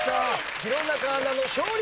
弘中アナの勝利。